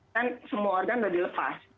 kan semua organ sudah dilepas